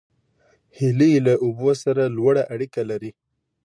هیلۍ له اوبو سره لوړه اړیکه لري